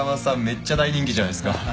めっちゃ大人気じゃないっすか。